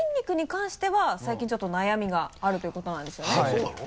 そうなの？